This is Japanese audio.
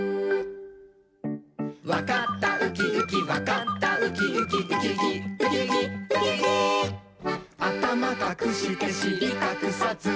「わかったウキウキわかったウキウキ」「ウキウキウキウキウキウキ」「あたまかくしてしりかくさず」